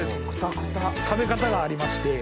食べ方がありまして。